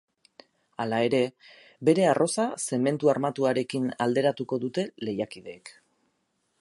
Hala ere, bere arroza zementu armatuarekin alderatuko dute lehiakideek.